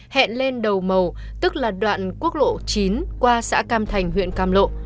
hẹn lên đầu màu tức là đoạn quốc lộ chín qua xã cam thành huyện cam lộ